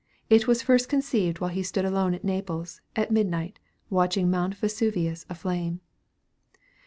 It was first conceived while he stood alone at Naples, at midnight, watching Mount Vesuvius aflame.